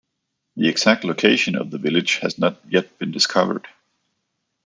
The exact location of the village has not yet been discovered.